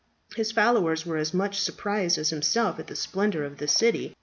His followers were as much surprised as himself at the splendour of the city.